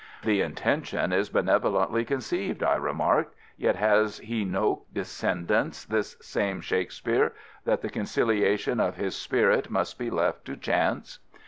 "The intention is benevolently conceived," I remarked. "Yet has he no descendants, this same Shakespeare, that the conciliation of his spirit must be left to chance?"